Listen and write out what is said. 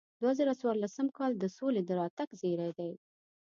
دوه زره څوارلسم کال د سولې د راتګ زیری دی.